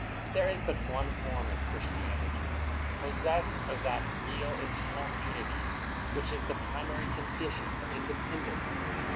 There is but one form of Christianity' pos sessed of that real internal unitj^ which is the primary condition of independence.